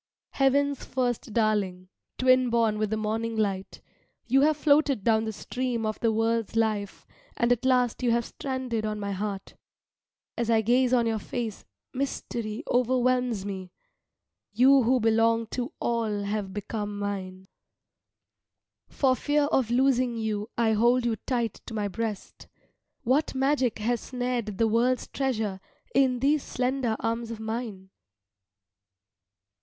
Heaven's first darling, twin born with the morning light, you have floated down the stream of the world's life, and at last you have stranded on my heart. As I gaze on your face, mystery overwhelms me; you who belong to all have become mine. For fear of losing you I hold you tight to my breast. What magic has snared the world's treasure in these slender arms of mine?"